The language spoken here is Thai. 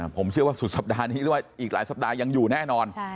ผมเชื่อว่าสุดสัปดาห์นี้หรือว่าอีกหลายสัปดาห์ยังอยู่แน่นอน